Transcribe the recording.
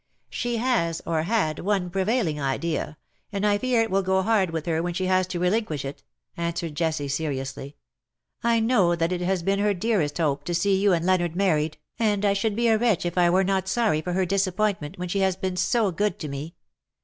'' She has — or had — one prevailing idea, and I fear it will go hard with her when she has to relinquish it/' answered Jessie, seriously. " I know that it has been her dearest hope to see you and Leonard married, and I should be a wretch if T ji '? 100 ^^TINTAGEL, HALF IN SEA, AND HALF ON LAND." were not sorry for her disappointment, when she has been so good to me.